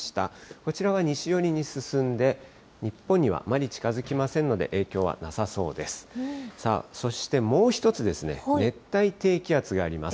こちらは西寄りに進んで、日本にはあまり近づきませんので、影響はなさそうです。